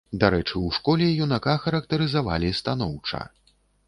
Дарэчы, у школе юнака характарызавалі станоўча.